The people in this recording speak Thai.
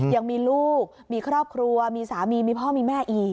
ยังมีลูกมีครอบครัวมีสามีมีพ่อมีแม่อีก